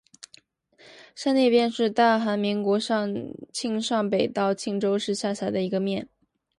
山内面是大韩民国庆尚北道庆州市下辖的一个面。